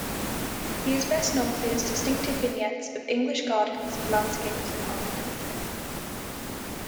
He is best known for his distinctive vignettes of English gardens, landscapes, and architecture.